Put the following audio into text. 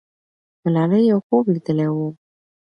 ملالۍ یو خوب لیدلی وو.